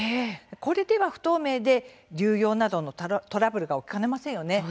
これでは不透明で流用などのトラブルが起きかねませんよね。